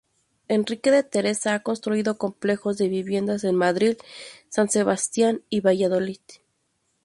Enrique de Teresa ha construido complejos de viviendas en Madrid, San Sebastián y Valladolid.